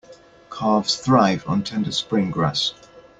Calves thrive on tender spring grass.